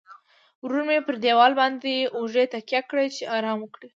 ورو مې پر دیواله باندې اوږې تکیه کړې، چې ارام وکړم.